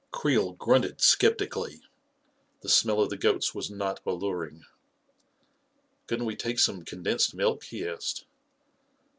Creel grunted skeptically. The smell of the goats was not alluring. 44 Couldn't we take some condensed milk ?" he asked.